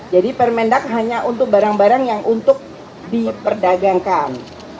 jadi permendak hanya untuk barang barang yang untuk diperdagangkan